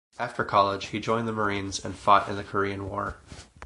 After college he joined the Marines and fought in the Korean War.